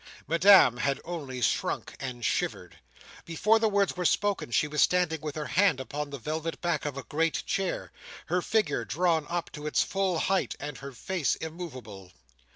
Madame had only shrunk and shivered. Before the words were spoken, she was standing with her hand upon the velvet back of a great chair; her figure drawn up to its full height, and her face immoveable.